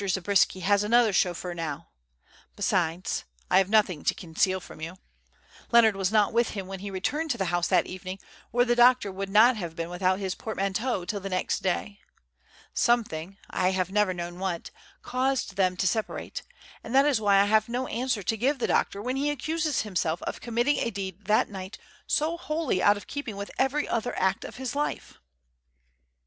Zabriskie has another chauffeur now. Besides (I have nothing to conceal from you), Leonard was not with him when he returned to the house that evening or the doctor would not have been without his portmanteau till the next day. Something I have never known what caused them to separate, and that is why I have no answer to give the doctor when he accuses himself of committing a deed that night so wholly out of keeping with every other act of his life."